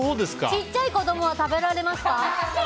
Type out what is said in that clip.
ちっちゃい子供は食べられますか？